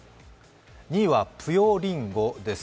２位は、ぷよりんごです。